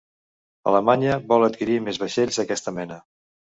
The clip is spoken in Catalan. Alemanya vol adquirir més vaixells d'aquesta mena.